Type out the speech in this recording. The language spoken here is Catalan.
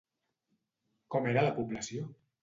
Com era la població?